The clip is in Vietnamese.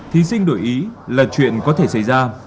thí sinh đổi ý là chuyện có thể xảy ra